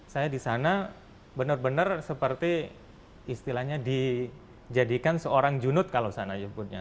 saya di sana benar benar seperti istilahnya dijadikan seorang junut kalau sana disebutnya